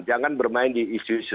jangan bermain di isu isu